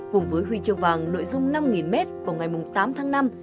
cùng với huy chương vàng nội dung năm m vào ngày tám tháng năm